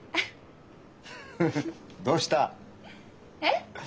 フフフどうした？えっ？